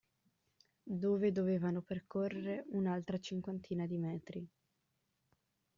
Dove dovevano percorrere un'altra cinquantina di metri.